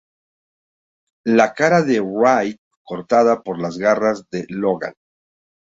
La cara de Wraith cortada por las garras de Logan.